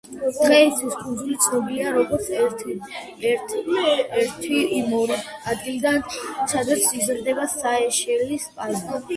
დღეისათვის კუნძული ცნობილია, როგორც ერთ-ერთი იმ ორი ადგილიდან, სადაც იზრდება სეიშელის პალმა.